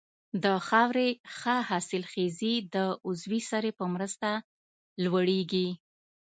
د خاورې ښه حاصلخېزي د عضوي سرې په مرسته لوړیږي.